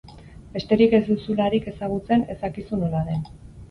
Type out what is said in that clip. Besterik ez duzularik ezagutzen, ez dakizu nola den!